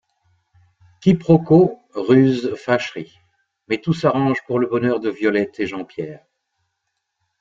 Quiproquos, ruses, fâcheries..., mais tout s'arrange pour le bonheur de Violette et Jean-Pierre.